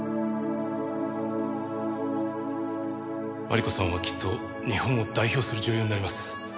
麻理子さんはきっと日本を代表する女優になります。